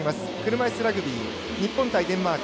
車いすラグビー日本対デンマーク。